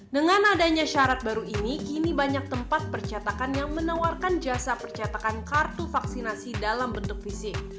dengan adanya syarat baru ini kini banyak tempat percetakan yang menawarkan jasa percetakan kartu vaksinasi dalam bentuk fisik